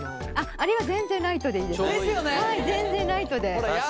あれは全然ライトでいいです。ですよね！